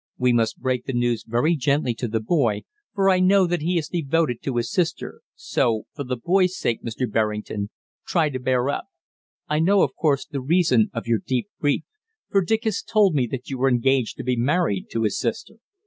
We must break the news very gently to the boy, for I know that he is devoted to his sister, so for the boy's sake, Mr. Berrington, try to bear up. I know, of course, the reason of your deep grief, for Dick has told me that you are engaged to be married to his sister."